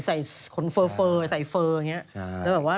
ขนเฟอร์ใส่เฟอร์อย่างนี้